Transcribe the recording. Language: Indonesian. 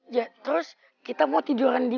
ya terus kita mau tiduran di